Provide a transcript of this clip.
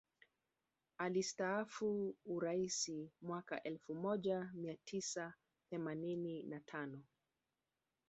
alistafu uraisi mwaka elfu moja mia tisa themanini na tano